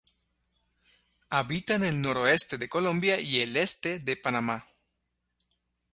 Habita en el noroeste de Colombia y el este de Panamá.